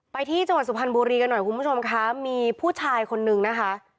ไปที่จังหวัดสุพรรณบุรีกันหน่อยคุณผู้ชมค่ะมีผู้ชายคนนึงนะคะ